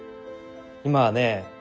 今はね